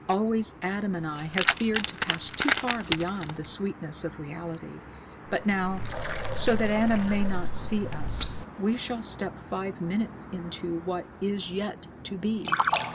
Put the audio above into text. Always Adam and I have feared to pass too far beyond the sweetness of reality. But now, so that Adam may not see us, we shall step five minutes into what is yet to be.